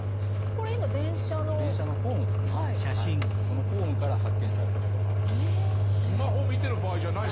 このホームから発見されたこともあるんです。